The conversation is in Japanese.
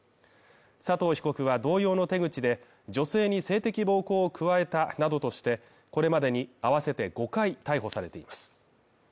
佐藤被告は同様の手口で女性に性的暴行を加えたなどとして、これまでに合わせて５回逮捕されています。